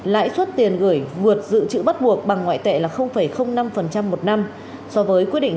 lãi suất tiền gửi vượt dự trữ bắt buộc bằng ngoại tệ là năm một năm